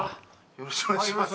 よろしくお願いします